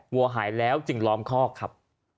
วัวหายแล้วจึงล้อมคอกครับ